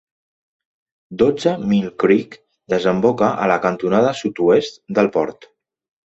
Dotze Mile Creek desemboca a la cantonada sud-oest del port.